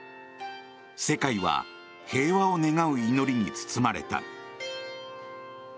世界は平和を願う祈りに包まれた。